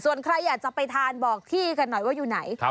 ส่วนใครอยากจะไปทานบอกที่กันหน่อยว่าอยู่ไหน